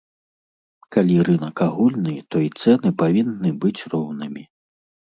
Калі рынак агульны, то і цэны павінны быць роўнымі.